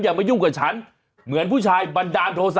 มายุ่งกับฉันเหมือนผู้ชายบันดาลโทษะ